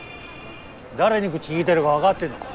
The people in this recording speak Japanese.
誰に口きいてるか分かってんのか？